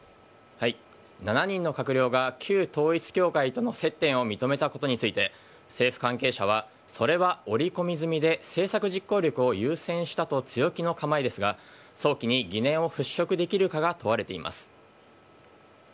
７人の閣僚が旧統一教会との接点を認めたことについて政府関係者はそれは織り込み済みで政策実行力を優先したと強気の構えですが早期に疑念を払拭できるかが問われています。